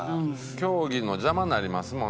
競技の邪魔になりますもんね。